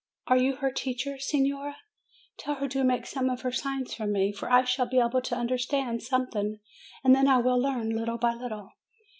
Are you her teacher, signora? Tell her to make some of her signs to me; for I shall be able to understand something, and then I will learn little by little.